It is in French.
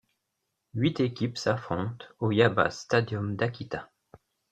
Huit équipes s'affrontent au Yabase Stadium d'Akita.